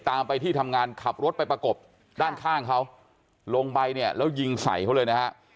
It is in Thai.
ตามไปที่ทำงานขับรถไปประกบด้านข้างเขาลงไปเนี่ยแล้วยิงใส่เขาเลยนะฮะ